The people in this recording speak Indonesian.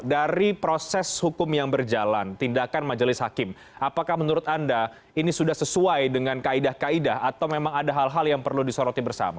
dari proses hukum yang berjalan tindakan majelis hakim apakah menurut anda ini sudah sesuai dengan kaedah kaedah atau memang ada hal hal yang perlu disoroti bersama